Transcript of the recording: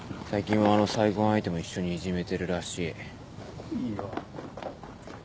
最近はあの再婚相手も一緒にいじめてるらしい。